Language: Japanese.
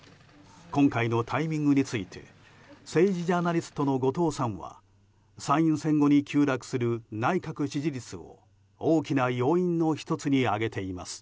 今回のタイミングについて政治ジャーナリストの後藤さんは参院選後に急落する内閣支持率を大きな要因の１つに挙げています。